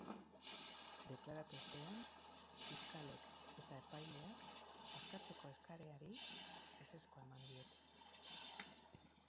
Deklaratu ostean, fiskalek eta epaileak askatzeko eskaerari ezezkoa eman diote.